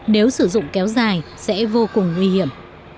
nếu sử dụng kéo dài sẽ vô cùng nguy hiểm